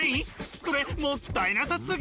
それもったいなさすぎ！